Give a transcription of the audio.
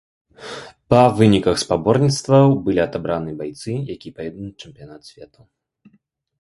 Па выніках спаборніцтваў былі адабраны байцы, якія паедуць на чэмпіянат свету.